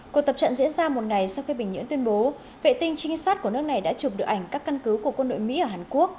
cuộc tập trận diễn ra một ngày sau khi bình nhưỡng tuyên bố vệ tinh trinh sát của nước này đã chụp được ảnh các căn cứ của quân đội mỹ ở hàn quốc